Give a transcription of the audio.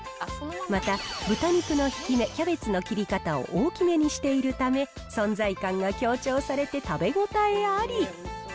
また、豚肉のひきめ、キャベツの切り方を大きめにしているため、存在感が強調されて食べ応えあり。